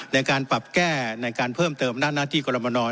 ในการปรับแก้ในการเพิ่มเติมด้านหน้าที่กรมน